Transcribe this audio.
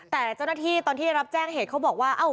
แต่เจ้าหน้าที่ตอนที่ได้รับแจ้งเหตุเขาบอกว่า